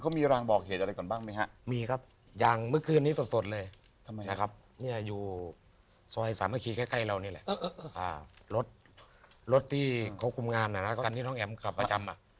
เขามีรางบอกเหตุอะไรก่อนบ้างไหมฮะ